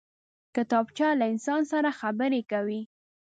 کتابچه له انسان سره خبرې کوي